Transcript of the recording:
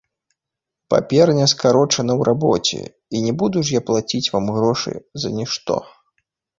Паперня скарочана ў рабоце, і не буду ж я плаціць вам грошы за нішто.